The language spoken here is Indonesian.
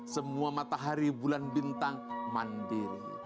semua matahari bulan bintang mandiri